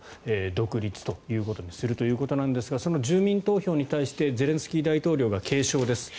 独立ということにするということなんですが住民投票に対してゼレンスキー大統領が警鐘です。